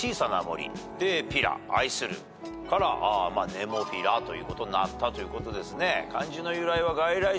ネモフィラということになったということですね。